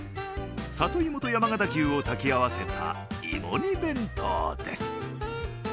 里芋と山形牛を炊き合わせたいも煮弁当です。